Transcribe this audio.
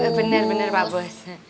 iya bener bener pak bos